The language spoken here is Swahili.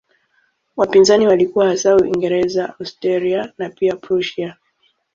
Wapinzani walikuwa hasa Uingereza, Austria na pia Prussia.